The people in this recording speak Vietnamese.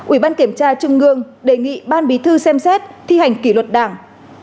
ủy ban kiểm tra trung ương đề nghị ban bí thư xem xét thi hành kỷ luật đảng